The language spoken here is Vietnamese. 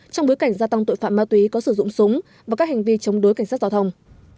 trong bối cảnh gia tăng tội phạm ma túy có sử dụng súng và các hành vi chống đối cảnh sát giao thông